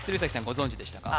ご存じでしたか？